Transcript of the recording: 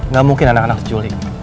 gak mungkin anak anak cuculik